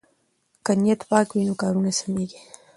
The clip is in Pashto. که نیت پاک وي نو کارونه سمېږي.